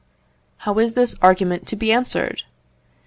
How is this argument to be answered?